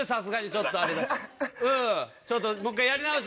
ちょっともう１回やり直す。